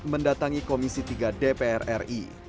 mendatangi komisi tiga dpr ri